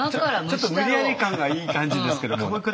無理やり感がいい感じですけども。